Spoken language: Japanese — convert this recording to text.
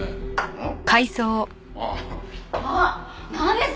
うん。